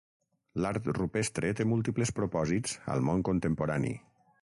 L'art rupestre té múltiples propòsits al món contemporani.